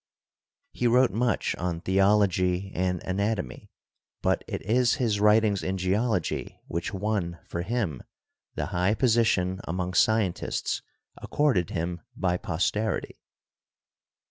He wrote much on Theology and Anatomy, but it is his writings in Geology which won for him the high position among scientists accorded him by posterity.